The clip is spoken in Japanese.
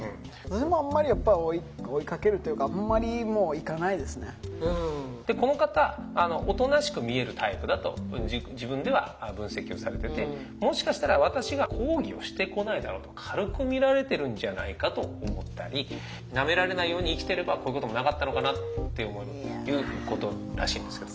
私もあんまりやっぱり追いかけるというかでこの方おとなしく見えるタイプだと自分では分析をされててもしかしたら私が「抗議をしてこないだろう」と軽くみられてるんじゃないかと思ったりなめられないように生きてればこういうこともなかったのかなっていう思いもということらしいんですけど。